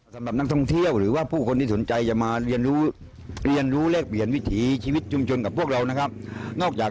สำหรับนักท่องเที่ยวหรือว่าผู้คนที่ชอบสนใจมาเรียนรู้เรียนบริเวณวิถีชีวิตชุมชนกับพวกเราน่ะนะครับ